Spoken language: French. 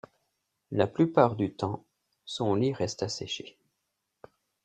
La plupart du temps, son lit reste asséché.